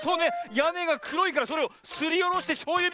やねがくろいからそれをすりおろしてしょうゆみたく。